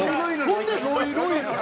ほんでロイロイやから。